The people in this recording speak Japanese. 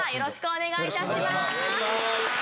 お願いします。